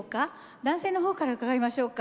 男性の方から伺いましょうか。